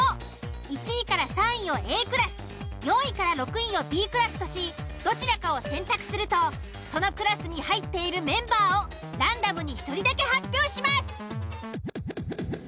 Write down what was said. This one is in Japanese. １位３位をＡクラス４位６位をＢクラスとしどちらかを選択するとそのクラスに入っているメンバーをランダムに１人だけ発表します。